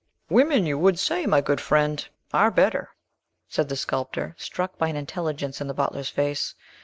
"Women, you would say, my good friend, are better," said the sculptor, struck by an intelligence in the butler's face.